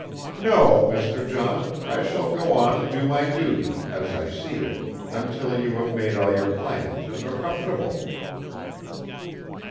"No, Mr. John, I shall go on and do my duty, as I see it, until you have made all your plans and are comfortable."